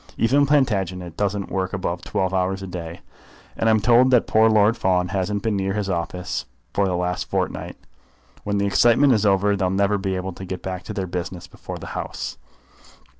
Even Plantagenet doesn't work above twelve hours a day, and I'm told that poor Lord Fawn hasn't been near his office for the last fortnight. When the excitement is over they'll never be able to get back to their business before the grouse.